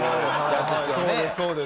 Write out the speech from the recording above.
そうですそうです。